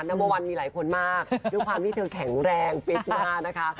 นัมเมอร์วันมีหลายคนมากด้วยความที่เธอแข็งแรงฟิตหน้านะคะ